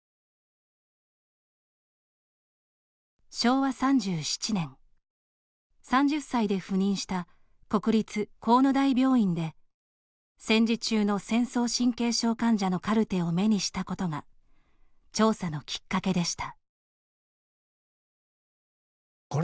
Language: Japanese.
昭和３７年、３０歳で赴任した国立国府台病院で戦時中の戦争神経症患者のカルテを目にしたことが調査のきっかけでした。